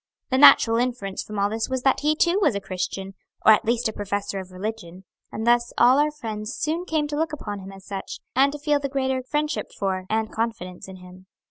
The natural inference from all this was that he too was a Christian, or at least a professor of religion; and thus all our friends soon came to look upon him as such, and to feel the greater friendship for, and confidence in him.